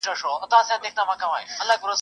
ځیني وختونه بېله موضوع لري !.